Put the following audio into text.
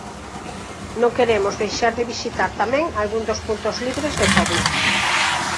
Non queremos deixar de visitar tamén algún dos puntos libres de covid.